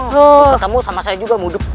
ketemu sama saya juga mudik